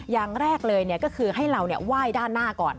อย่างแรกเลยก็คือให้เราไหว้ด้านหน้าก่อน